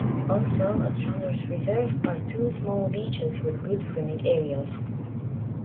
Also at Sanders Reserve are two small beaches with good swimming areas.